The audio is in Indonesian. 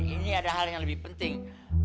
ini adalah hal yang lebih penting